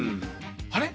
あれ？